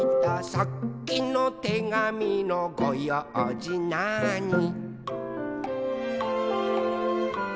「さっきのてがみのごようじなーに」